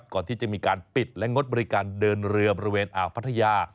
ก่อนที่จะมีการปิดและงดบริการเดินเรือบริเวณอ่าวพัทยา